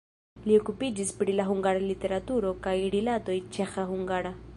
Li okupiĝis pri la hungara literaturo kaj rilatoj ĉeĥa-hungara.